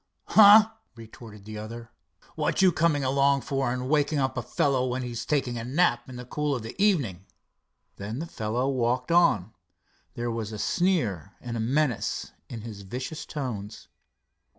"Huh!" retorted the other, "what you coming along for and waking up a fellow when he's taking a nap in the cool of the evening?" Then the fellow walked on. There was a sneer and a menace in his vicious tones.